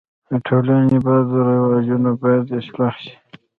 د ټولني بد رواجونه باید اصلاح سي.